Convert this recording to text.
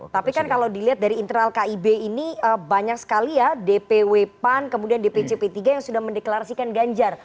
tapi kan kalau dilihat dari internal kib ini banyak sekali ya dpw pan kemudian dpc p tiga yang sudah mendeklarasikan ganjar